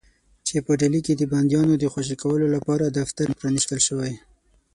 چې په ډهلي کې د بندیانو د خوشي کولو لپاره دفتر پرانیستل شوی.